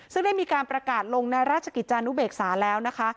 ซึ่งได้มีการประกาศลงในราชกิจจานุเบกษาแล้วนะคะ